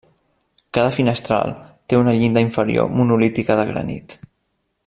Cada finestral té una llinda inferior monolítica de granit.